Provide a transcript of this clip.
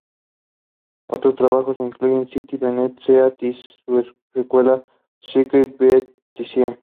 Otros trabajos incluyen "City Beneath the Sea" y su secuela "Secret beneath the Sea".